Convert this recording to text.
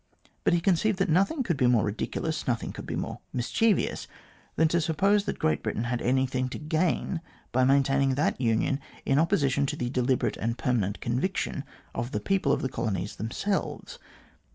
But he conceived that nothing could be more ridiculous, nothing could be more mischievous, than to suppose that Great Britain had anything to gain by maintaining that union in opposition to the deliberate and permanent conviction of the people of the colonies them selves.